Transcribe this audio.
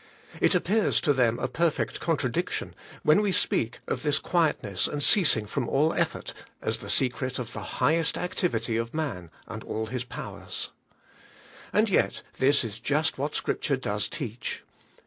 It appears to them a perfect contradic tion, when we speak of this quietness and ceasing from all effort as the secret of the highest activity of man and all his powers. And yet this is just what Scripture does teach.